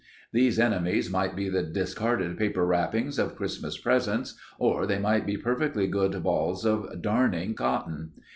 These enemies might be the discarded paper wrappings of Christmas presents, or they might be perfectly good balls of darning cotton.